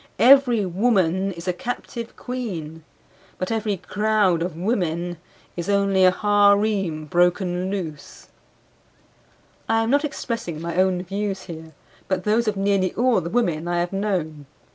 Every woman is a captive queen. But every crowd of women is only a harem broken loose. I am not expressing my own views here, but those of nearly all the women I have known.